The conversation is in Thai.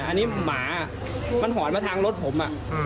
อันนี้หมามันหอนมาทางรถผม